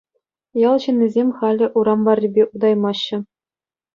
Ял ҫыннисем халӗ урам варрипе утаймаҫҫӗ.